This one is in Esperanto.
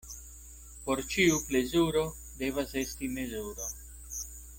Por ĉiu plezuro devas esti mezuro.